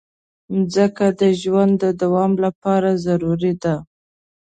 مځکه د ژوند د دوام لپاره ضروري ده.